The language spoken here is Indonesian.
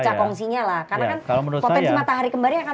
karena kan potensi matahari kembar akan besar